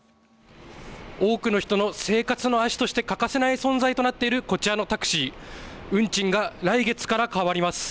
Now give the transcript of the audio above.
多くの人の生活の足として欠かせない存在となっているこちらのタクシー運賃が来月から変わります。